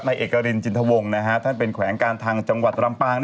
เอกรินจินทวงท่านเป็นแขวงการทางจังหวัดลำปาง